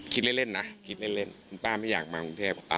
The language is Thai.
คิดเล่นนะคุณป้าไม่อยากมากรุงเทพฯ